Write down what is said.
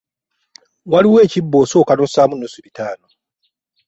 Waliwo ekibbo osooka n'ossaamu nnusu bitaano.